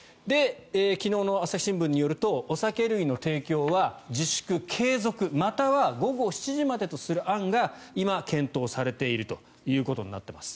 昨日の朝日新聞によるとお酒類の提供は自粛継続または午後７時までとする案が今、検討されているということになっています。